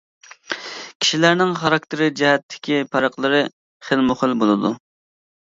كىشىلەرنىڭ خاراكتېر جەھەتتىكى پەرقلىرى خىلمۇخىل بولىدۇ.